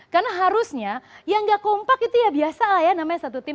karena harusnya yang tidak kompak itu ya biasa ya namanya satu tim